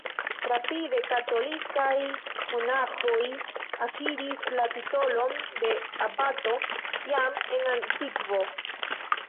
Rapide, katolikaj monaĥoj akiris la titolon de "abato", jam en antikvo.